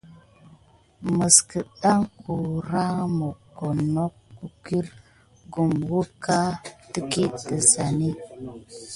Mis kildan kuran mokone nok kikule kum wuké tida tatkizane.